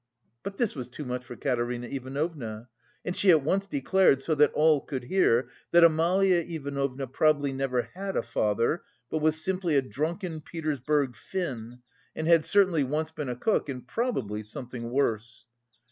But this was too much for Katerina Ivanovna, and she at once declared, so that all could hear, that Amalia Ivanovna probably never had a father, but was simply a drunken Petersburg Finn, and had certainly once been a cook and probably something worse.